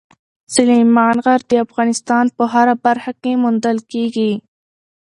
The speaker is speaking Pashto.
سلیمان غر د افغانستان په هره برخه کې موندل کېږي.